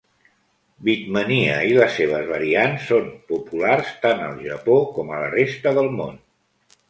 Beatmania i les seves variants són populars tant al Japó com a la resta del món.